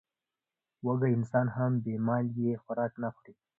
وږی انسان هم بې مالګې خوراک نه خوري.